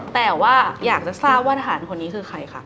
แต่ว่าอยากจะทราบว่าทหารคนนี้คือใครค่ะ